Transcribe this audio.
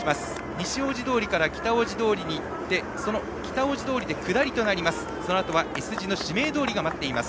西大路通から北大路通に行ってその北大路通で下りとなります。